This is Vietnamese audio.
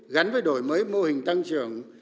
gắn với đổi mới mô hình tăng trưởng